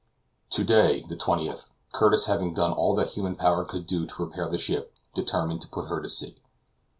To day the 20th, Curtis having done all that human power could do to repair his ship, determined to put her to sea.